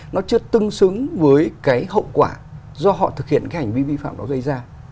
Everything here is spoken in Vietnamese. nó chưa tương xứng với cái hậu quả do họ thực hiện cái hành vi vi phạm đó gây ra